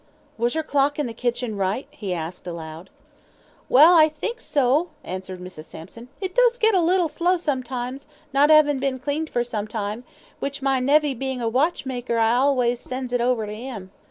'Was your clock in the kitchen right?'" he asked, aloud. "Well, I think so," answered Mrs. Sampson. "It does get a little slow sometimes, not 'avin' been cleaned for some time, which my nevy bein' a watchmaker I allays 'ands it over to 'im."